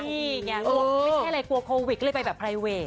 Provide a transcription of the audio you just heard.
นี่ไงไม่ใช่อะไรกลัวโควิดก็เลยไปแบบไพรเวท